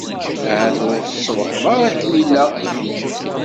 Ahat ur s-truḥeḍ ara akken ilaq.